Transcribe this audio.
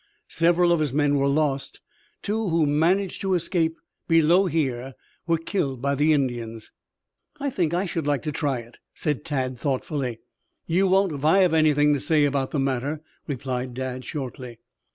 Several of his men were lost; two who managed to escape below here were killed by the Indians." "I think I should like to try it," said Tad thoughtfully. "You won't, if I have anything to say about the matter," replied Dad shortly.